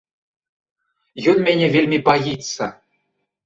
Ён мяне вельмі баіцца.